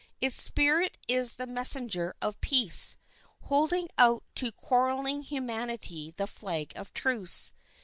Its spirit is the messenger of peace, holding out to quarreling humanity the flag of truce.